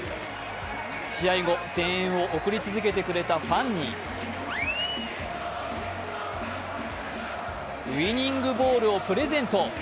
試合後、声援を送り続けてくれたファンに、ウイニングボールをプレゼント。